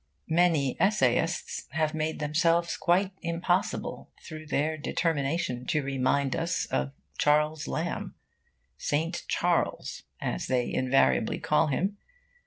Many essayists have made themselves quite impossible through their determination to remind us of Charles Lamb 'St. Charles,' as they invariably call him.